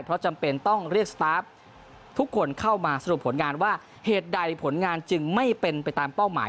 เพราะจำเป็นต้องเรียกสตาร์ฟทุกคนเข้ามาสรุปผลงานว่าเหตุใดผลงานจึงไม่เป็นไปตามเป้าหมาย